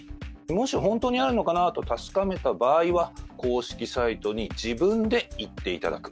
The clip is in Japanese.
もし本当にあるのかなと確かめた場合は、公式サイトに自分で行っていただく。